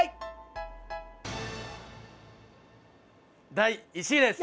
第１位です！